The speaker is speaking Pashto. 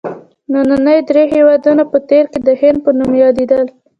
ننني درې هېوادونه په تېر کې د هند په نوم یادیدل.